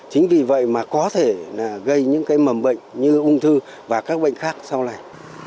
chính vì vậy mà có thể là gây những cái mầm bệnh như ung thư và các bệnh khác sau này